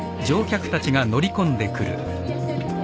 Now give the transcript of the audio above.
いらっしゃいませ。